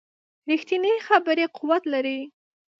ریښتینې خبرې قوت لري